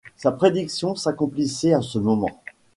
Sa prédiction s’accomplissait en ce moment.